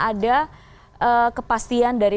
ada kepastian dari